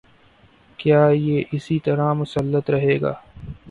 کیا یہ اسی طرح مسلط رہے گا؟